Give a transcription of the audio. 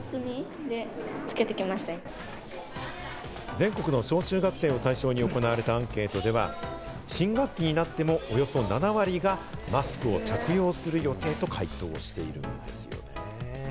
全国の小中学生を対象に行われたアンケートでは新学期になってもおよそ７割がマスクを着用する予定と回答しています。